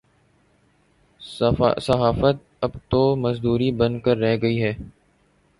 صحافت اب تو مزدوری بن کے رہ گئی ہے۔